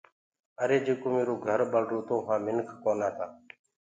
آري جيڪو ميرو گھر ٻݪرو تو وهآ منک ڪونآ تآ